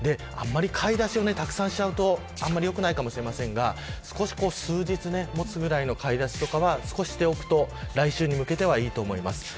買い出しをたくさんしちゃうとあんまりよくないかもしれませんが数日持つぐらいの買い出しとかはして置くと来週に向けてはいいと思います。